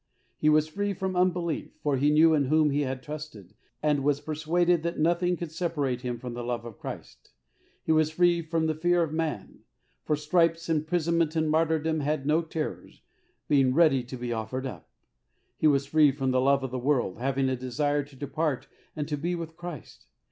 He was free from unbelief, for he knew in whom he had trusted, and was persuaded that nothing could separate him from the love of Christ. He was free from the fear of man, for stripes, imprisonment and martyrdom had no terrors — being ready to be offered up. He was free from the love of the world, having a desire to depart and to be with Christ.